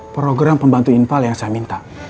program pembantu inpal yang saya minta